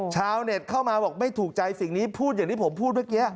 ชาวเน็ตเข้ามาบอกไม่ถูกใจสิ่งนี้พูดอย่างที่ผมพูดเมื่อกี้